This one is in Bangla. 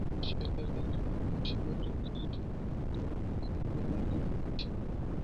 শেলের এই চেইন সম্পর্কিত একটি কিংবদন্তি রয়েছে।